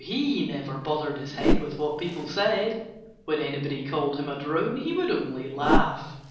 He never bothered his head with what people said. When anybody called him a drone he would only laugh.